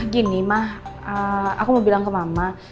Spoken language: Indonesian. gini mah aku mau bilang ke mama